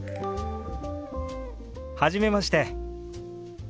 初めまして。